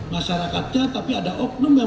masyarakatnya tapi ada oknum yang